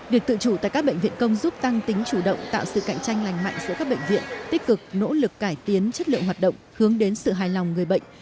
việc tự chủ tại các bệnh viện công giúp tăng tính chủ động tạo sự cạnh tranh lành mạnh giữa các bệnh viện tích cực nỗ lực cải tiến chất lượng hoạt động hướng đến sự hài lòng người bệnh